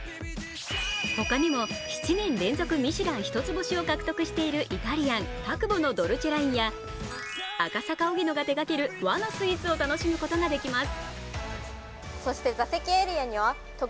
ほかにも７年連続ミシュラン一つ星を獲得しているイタリアン、タクボのドルチェラインや赤坂おぎ乃が手がける和のスイーツを楽しむことができます。